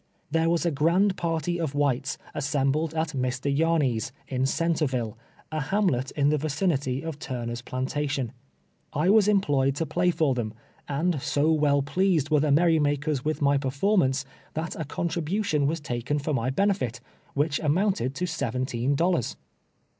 There was a grand party of whites assembled at Mr. Yarney's, m Centreville, a liamlet in the vicinity of Turners plantation. 1 was emjjloyed to play for them, and so m'cU pleased were the merry makers with my perlbrnumce, that a con tribution was taken for my benefit, which amounted to seventeen dollars.